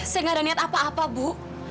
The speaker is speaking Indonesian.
saya nggak ada niat apa apa bu